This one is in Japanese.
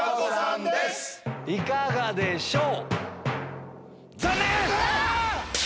いかがでしょう？